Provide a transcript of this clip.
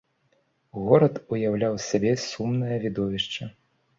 Горад уяўляў з сябе сумнае відовішча.